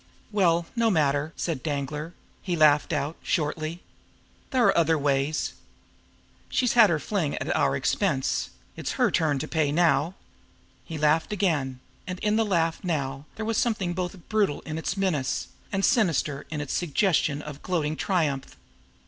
"Well, no matter!" said Danglar. He laughed out shortly. "There are other ways! She's had her fling at our expense; it's her turn to pay now." He laughed again and in the laugh now there was something both brutal in its menace, and sinister in its suggestion of gloating triumph.